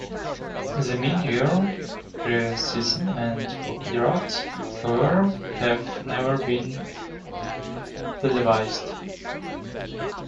The mid-year, pre-season and rookie drafts, however have never been televised.